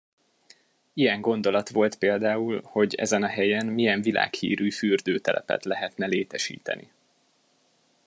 Ilyen gondolat volt például, hogy ezen a helyen milyen világhírű fürdőtelepet lehetne létesíteni.